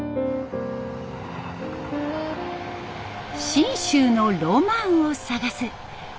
「信州のロマン」を探す